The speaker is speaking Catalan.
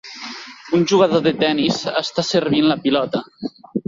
Un jugador de tenis està servint la pilota.